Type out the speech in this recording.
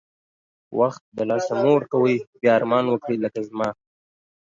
وخت د لاسه مه ورکوی بیا ارمان وکړی لکه زما